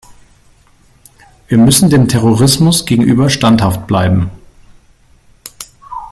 Wir müssen dem Terrorismus gegenüber standhaft bleiben.